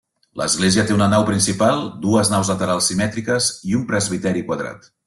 L'església té una nau principal, dues naus laterals simètriques i un presbiteri quadrat.